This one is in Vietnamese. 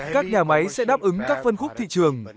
các nhà máy sẽ đáp ứng các phân khúc thị trường